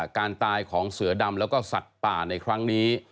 การตายของเสือดำแล้วก็สัตว์ป่าในครั้งนี้